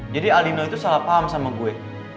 jadi aldino itu salah paham sama gue